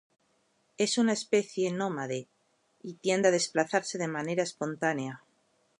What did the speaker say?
Es una especie nómade, y tiende a desplazarse de manera espontánea.